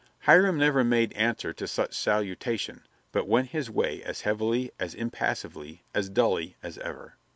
Hiram never made answer to such salutation, but went his way as heavily, as impassively, as dully as ever.